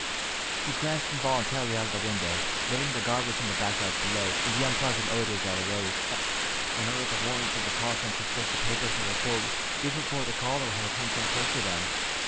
He glanced involuntarily out of the window, noting the garbage in the back yards below, and the unpleasant odors that arose, and remembered the warnings and precautions with which the papers had been filled even before the cholera had come so close to them.